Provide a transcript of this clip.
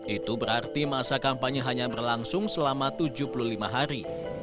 itu berarti masa kampanye hanya berlangsung selama tujuh puluh lima hari